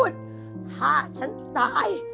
ถ้าฉันตาย